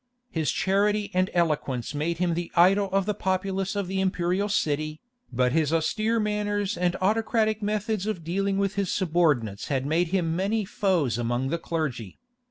His charity and eloquence made him the idol of the populace of the imperial city, but his austere manners and autocratic methods of dealing with his subordinates had made him many foes among the clergy.